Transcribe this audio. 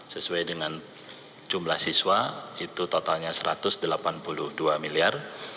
sesuai dengan jumlah siswa itu totalnya satu ratus delapan puluh dua miliar